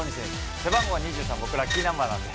背番号２３、僕、ラッキーナンバーなんで。